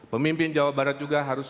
pemimpin jawa barat juga harus